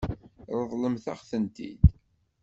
Ṛeḍlemt-aɣ-ten-id.